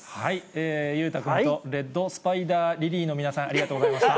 裕太君とレッドスパイダーリリーの皆さん、ありがとうございました。